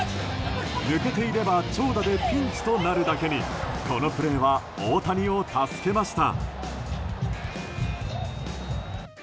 抜けていれば長打でピンチとなるだけにこのプレーは大谷を助けました。